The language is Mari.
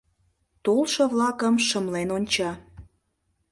Толшо-влакым шымлен онча.